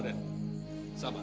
tidak pak man